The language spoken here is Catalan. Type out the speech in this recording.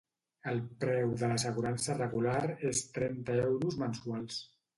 El preu de l'assegurança regular és trenta euros mensuals.